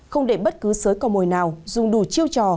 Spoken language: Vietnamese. không để bất cứ sới cò mồi nào dùng đủ chiêu trò